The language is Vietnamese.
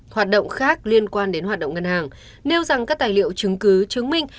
hoạt động khác liên quan đến hoạt động ngân hàng nêu rằng các tài liệu chứng cứ chứng minh